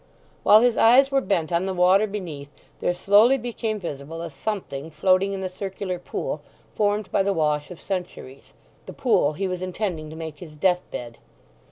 While his eyes were bent on the water beneath there slowly became visible a something floating in the circular pool formed by the wash of centuries; the pool he was intending to make his death bed.